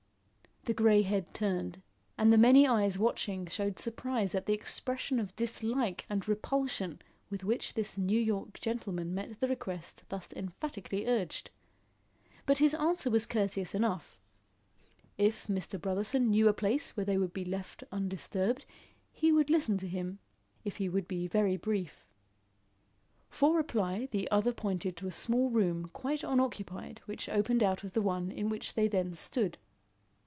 The grey head turned, and the many eyes watching showed surprise at the expression of dislike and repulsion with which this New York gentleman met the request thus emphatically urged. But his answer was courteous enough. If Mr. Brotherson knew a place where they would be left undisturbed, he would listen to him if he would be very brief. For reply, the other pointed to a small room quite unoccupied which opened out of the one in which they then stood.